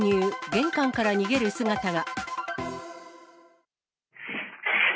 玄関から逃げる姿が。